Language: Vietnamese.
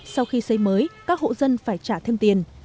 sau khi xây mới các hộ dân phải trả thêm tiền